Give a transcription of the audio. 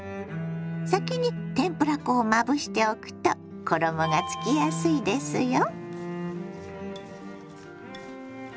先に天ぷら粉をまぶしておくと衣がつきやすいですよ。